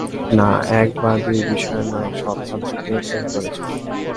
না, এক বা দুই বিষয়ে নয়, সব সাবজেক্টেই ফেল করেছ।